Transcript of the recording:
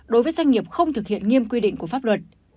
đối với doanh nghiệp không thực hiện nghiêm quy định của pháp luật